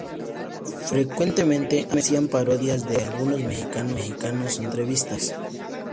Frecuentemente hacían parodias de algunos mexicanos en sus entrevistas.